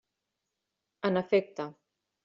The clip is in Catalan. En efecte.